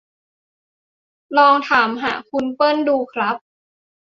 ลองถามหาคุณเปิ้ลดูครับ